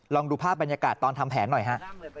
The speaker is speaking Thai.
ลองดูภาพบรรยากาศตอนทำแผนหน่อยฮะ